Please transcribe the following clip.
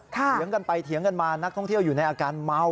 เถียงกันไปเถียงกันมานักท่องเที่ยวอยู่ในอาการเมา